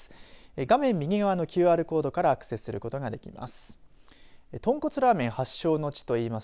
画面右側のＱＲコードからアクセスすることができます。